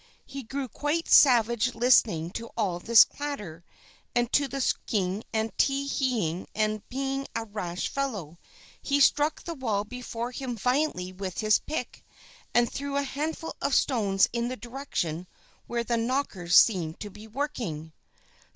He grew quite savage listening to all this clatter, and to the squeaking and tee hee ing; and being a rash fellow, he struck the wall before him violently with his pick, and threw a handful of stones in the direction where the Knockers seemed to be working.